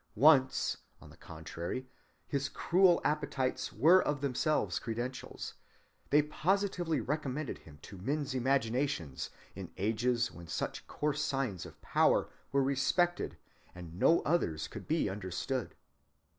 Once, on the contrary, his cruel appetites were of themselves credentials. They positively recommended him to men's imaginations in ages when such coarse signs of power were respected and no others could be understood.